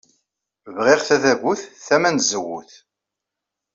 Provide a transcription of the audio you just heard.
Bɣiɣ tadabut tama n tzewwut.